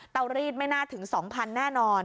รีดไม่น่าถึง๒๐๐แน่นอน